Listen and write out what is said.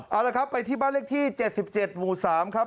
เอาละครับไปที่บ้านเลขที่๗๗หมู่๓ครับ